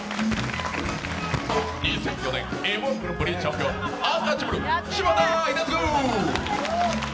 ２００４年、「Ｍ−１グランプリ」チャンピオン、アンタッチャブル・柴田英嗣。